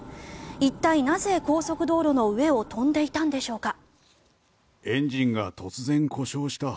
一体なぜ、高速道路の上を飛んでいたのでしょうか。